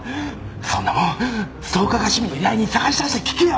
そんなもんストーカーが趣味の依頼人探しだして聞けよ。